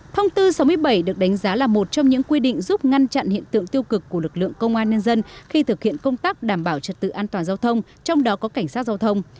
thông tư sáu mươi bảy được đánh giá là một trong những quy định giúp ngăn chặn hiện tượng tiêu cực của lực lượng công an nhân dân khi thực hiện công tác đảm bảo trật tự an toàn giao thông trong đó có cảnh sát giao thông